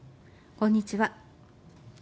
こんにちは。